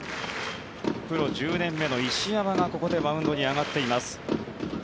プロ１０年目の石山がマウンドに上がっています。